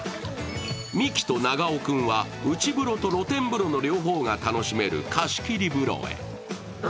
ミキと長尾君は内風呂と露天風呂の両方が楽しめる貸し切り風呂へ。